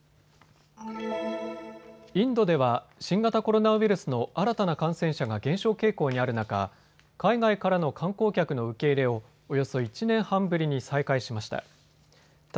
インドでは新型コロナウイルスの新たな感染者が減少傾向にある中、海外からの観光客の受け入れをおよそ１年半ぶりに再開しました。